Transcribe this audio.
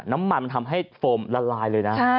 น้ำมันมันทำให้โฟมละลายเลยนะ